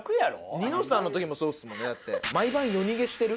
『ニノさん』の時もそうっすもん。